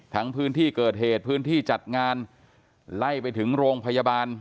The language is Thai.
พื้นที่เกิดเหตุพื้นที่จัดงานไล่ไปถึงโรงพยาบาล